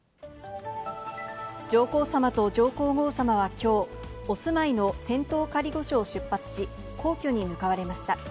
上皇さまと上皇后さまはきょう、お住まいの仙洞仮御所を出発し、皇居に向かわれました。